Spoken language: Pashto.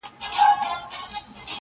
• چي د شېخ د سر جنډۍ مي نڅوله -